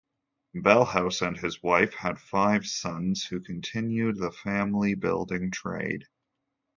Bellhouse and his wife had five sons who continued the family building trade.